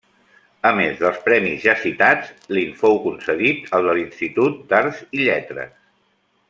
A més dels premis ja citats, li'n fou concedit el de l'Institut d'Arts i Lletres.